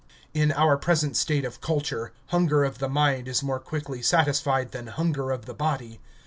In our present state of culture hunger of the mind is more quickly satisfied than hunger of the body.